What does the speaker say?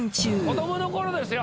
子供の頃ですよ